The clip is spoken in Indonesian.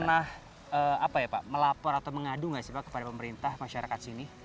pernah apa ya pak melapor atau mengadu nggak sih pak kepada pemerintah masyarakat sini